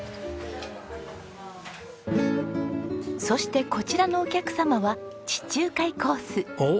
そしてこちらのお客様は地中海コース。